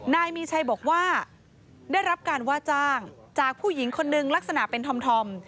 นายมีชัยบอกว่าได้รับการว่าจ้างจากผู้หญิงคนนึงลักษณะเป็นธอม